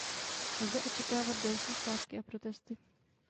Lze očekávat další stávky a protesty.